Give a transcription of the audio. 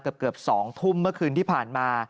เกือบ๒ทุ่มเมื่อคืนที่ผ่านมา